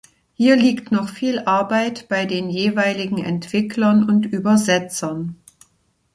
Hier liegt noch viel Arbeit bei den jeweiligen Entwicklern und Übersetzern.